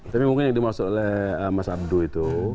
tapi mungkin yang dimaksud oleh mas abdu itu